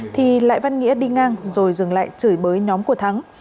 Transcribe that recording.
thì lại văn nghĩa đi ngang rồi dừng lại chửi bới nhóm của thắng